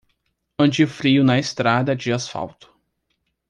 Anti-frio na estrada de asfalto